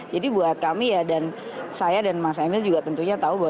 jadi buat kami ya dan saya dan mas emil juga tentunya tahu bahwa